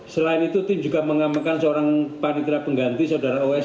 selain itu tim juga mengamankan seorang panitra pengganti saudara os